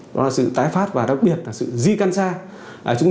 đó là sự tái phát và đặc biệt là sự di căn xa